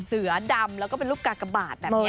เสือดำแล้วก็เป็นลูกกากบาทแบบนี้